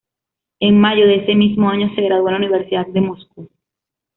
En mayo de ese mismo año se graduó en la Universidad de Moscú.